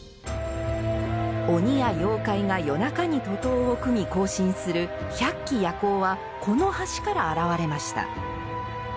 鬼や妖怪が夜中に徒党を組み行進する「百鬼夜行」はこの橋からあらわれました。